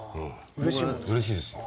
うれしいですよ。